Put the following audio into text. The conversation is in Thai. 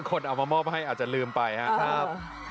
คำถามคือที่พี่น้ำแขงเล่าเรื่องถือหุ้นเสือไอทีวี